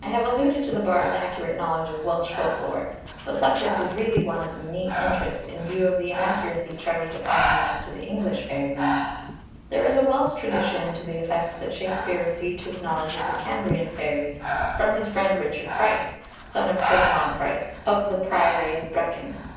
I have alluded to the bard's accurate knowledge of Welsh folk lore; the subject is really one of unique interest, in view of the inaccuracy charged upon him as to the English fairyland. There is a Welsh tradition to the effect that Shakspeare received his knowledge of the Cambrian fairies from his friend Richard Price, son of Sir John Price, of the priory of Brecon.